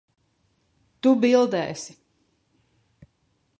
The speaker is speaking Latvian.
Tu bildēsi.